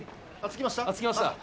着きました。